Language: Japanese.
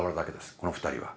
この２人は。